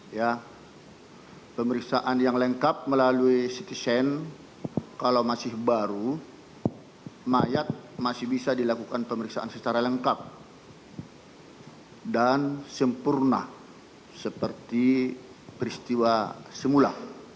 ya pemeriksaan yang lengkap melalui ct sen kalau masih baru mayat masih bisa dilakukan pemeriksaan secara lengkap dan sempurna seperti peristiwa semula